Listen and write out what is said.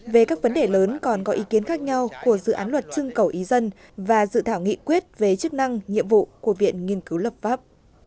về các vấn đề lớn còn có ý kiến khác nhau của dự án luật trưng cầu ý dân và dự thảo nghị quyết về chức năng nhiệm vụ của viện nghiên cứu lập pháp